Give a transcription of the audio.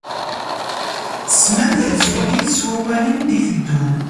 Smed tafelwit s wawalen d-iteddun.